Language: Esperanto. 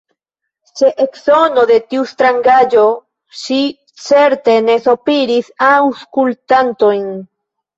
Ĉe eksono de tiu strangaĵo ŝi certe ne sopiris aŭskultantojn.